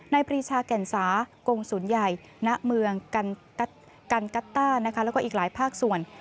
ในปริชาแก่นสากรงศูนย์ใหญ่ณเมืองกันกัตต้าและอีกหลายภาคส่วน